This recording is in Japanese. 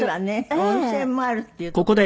温泉もあるっていうところがね。